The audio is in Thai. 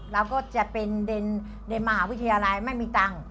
เราก็จะเป็นในมหาวิทยาลัยไม่มีตังค์